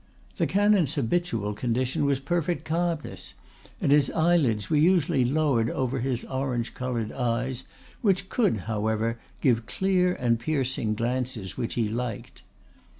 The canon's habitual condition was perfect calmness, and his eyelids were usually lowered over his orange colored eyes, which could, however, give clear and piercing glances when he liked.